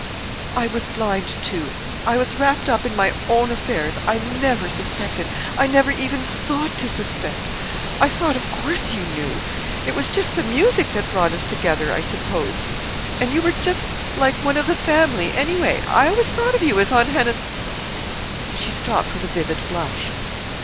I was blind, too. I was wrapped up in my own affairs. I never suspected. I never even thought to suspect! I thought of course you knew. It was just the music that brought us together, I supposed; and you were just like one of the family, anyway. I always thought of you as Aunt Hannah's " She stopped with a vivid blush.